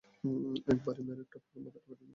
এক বাড়ি মেরে টপ করে মাথাটা ফাটিয়ে দেব।